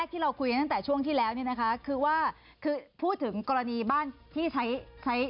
ถ้าฟังชั้นประหลักมาเหมือนกับมี๒กลุ่มใหญ่